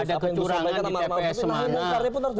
ada kecurangan di tps mana